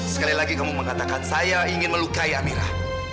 sekali lagi kamu mengatakan saya ingin melukai amirah